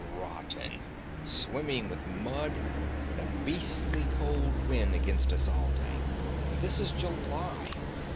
"Rotten; swimming with mud, and a beastly cold wind against us all day. And this is July.